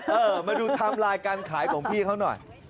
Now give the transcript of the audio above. เออมาดูไทม์ไลน์การขายของพี่เขาหน่อย